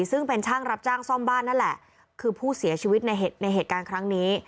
ซึ่งเป็นช่างรับจ้างซ่อมบ้านนั่นแหละคือผู้เสียชีวิตในเหตุการณ์ครั้งนี้